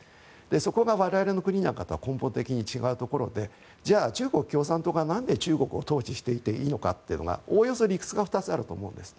そこが我々の国とは根本的に違うところでじゃあ、中国共産党がなんで中国を統治していていいのかというのがおおよそ、理屈が２つあると思うんです。